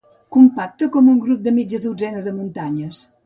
Compacte com un grup de mitja dotzena de muntanyes.